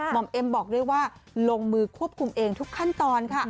อมเอ็มบอกด้วยว่าลงมือควบคุมเองทุกขั้นตอนค่ะ